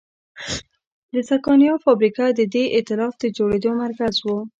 د سکانیا فابریکه د دې اېتلاف د جوړېدو مرکز و.